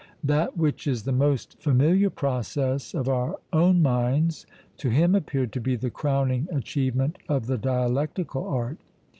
That which is the most familiar process of our own minds, to him appeared to be the crowning achievement of the dialectical art.